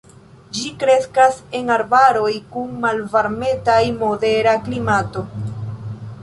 Ĝi kreskas en arbaroj kun malvarmeta-modera klimato.